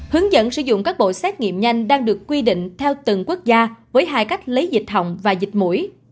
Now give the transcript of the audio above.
hướng dẫn sử dụng các bộ xét nghiệm nhanh đang được quy định theo từng quốc gia với hai cách lấy dịch hồng và dịch mũi